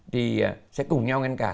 thì sẽ cùng nhau ngăn cản